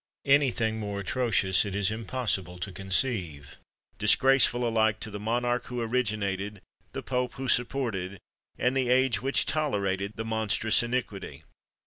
Any thing more atrocious it is impossible to conceive, disgraceful alike to the monarch who originated, the pope who supported, and the age which tolerated the monstrous iniquity.